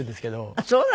あっそうなの？